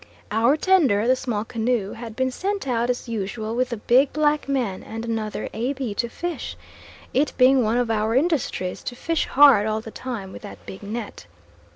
Our tender, the small canoe, had been sent out as usual with the big black man and another A. B. to fish; it being one of our industries to fish hard all the time with that big net.